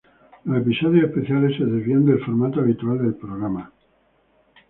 Los episodios especiales se desvían del formato habitual del programa.